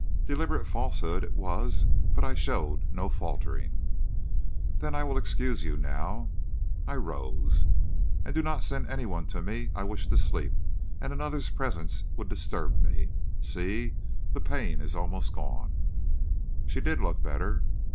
Deliberate falsehood it was, but I showed no faltering. "Then I will excuse you now." I rose. "And do not send any one to me. I wish to sleep, and another's presence would disturb me. See, the pain is almost gone." She did look better.